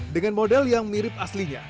dengan model yang mirip aslinya